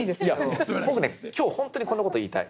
僕ね今日本当にこの事言いたい。